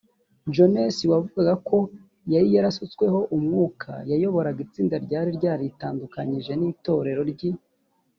jones wavugaga ko yari yarasutsweho umwuka yayoboraga itsinda ryari ryaritandukanyije n itorero ry i